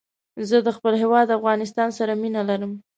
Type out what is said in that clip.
زه د خپل هېواد افغانستان سره مينه لرم